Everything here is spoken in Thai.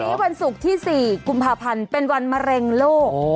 วันนี้วันศุกร์ที่๔กุมภาพันธ์เป็นวันมะเร็งโลก